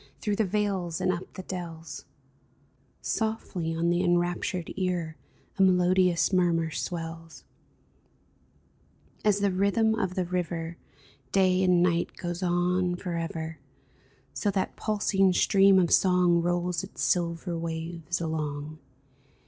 Through the vales and up the dells — Softly on the enraptured ear A melodious murmur swells ! As the rhythm of the river Day and night goes on forever, So that pulsing stream of song Rolls its silver waves along.